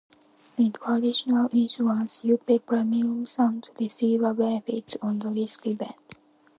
In traditional insurance, you pay premiums and receive a benefit on the risk event.